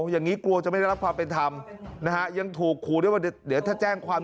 อย่างนี้กลัวจะไม่ได้รับความเป็นธรรมนะฮะยังถูกขู่ด้วยว่าเดี๋ยวถ้าแจ้งความ